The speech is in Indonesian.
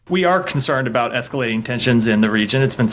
kita sangat bimbang dengan tensi yang mengekalkan di wilayah ini